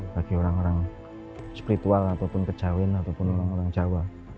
bagi orang orang spiritual ataupun kejawin ataupun orang jawa